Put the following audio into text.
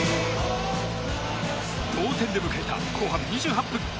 同点で迎えた後半２８分。